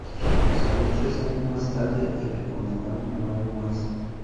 Salió tres años más tarde y le condenaron a nueve más.